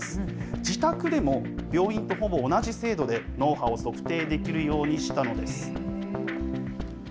自宅でも、病院とほぼ同じ精度で脳波を測定できるようにしたのです。